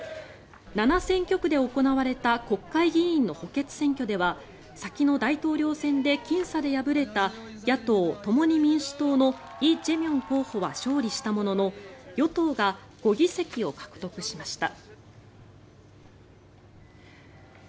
７選挙区で行われた国会議員の補欠選挙では先の大統領選できん差で敗れた野党・共に民主党のイ・ジェミョン候補は勝利したものの与党が５議席を獲得しました。